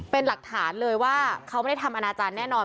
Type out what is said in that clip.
เป็นหลักฐานเลยว่าเขาไม่ได้ทำอนาจารย์แน่นอน